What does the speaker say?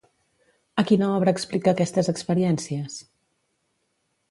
A quina obra explica aquestes experiències?